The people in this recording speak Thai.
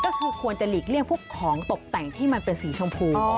ก็คือควรจะหลีกเลี่ยงพวกของตกแต่งที่มันเป็นสีชมพู